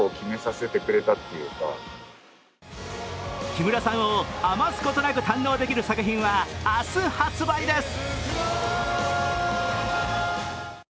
木村さんを余すことなく堪能できる作品は、明日発売です。